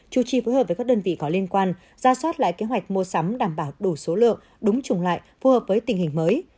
chủ trì phối hợp với các đơn vị có liên quan ra soát lại kế hoạch mua sắm đảm bảo đủ số lượng đúng trùng lại phù hợp với tình hình mới